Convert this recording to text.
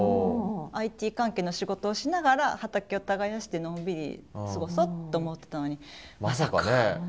ＩＴ関係の仕事をしながら畑を耕してのんびり過ごそうと思ってたのにまさか。